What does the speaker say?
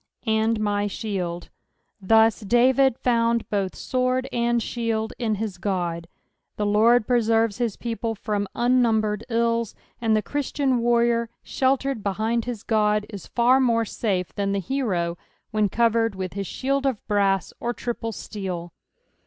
" And mj/ ikidd." Thus l5avid found buth sword and shield in his Qod. The Lord preserveB his people from unnumbered ills ; and the Christian warrior, sheltered behind bis God, is far more safe than the hero when covered with bis shield of brass or triple steel.